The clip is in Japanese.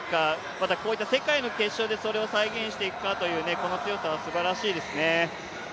またこういった世界の決勝でそれを再現していくかというこの強さはすばらしいですね。